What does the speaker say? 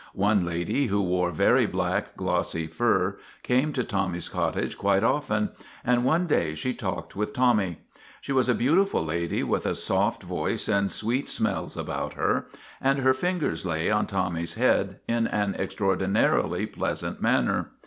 One lady, who wore very black, glossy fur, came to Tommy's cottage quite often, and one day she talked with Tommy. She was a beautiful lady with a soft voice and sweet smells about her, and her fingers lay on Tommy's head in an extraordinarily pleasant manner.